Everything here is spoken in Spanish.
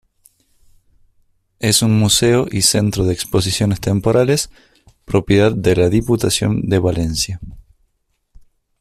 Es un museo y centro de exposiciones temporales propiedad de la Diputación de Valencia.